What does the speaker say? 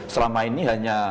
selama ini hanya